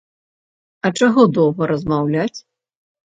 А чаго доўга размаўляць?